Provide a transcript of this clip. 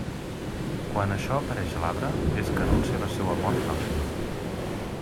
Quan això apareix a l'arbre, és que anuncia la seua mort pròxima.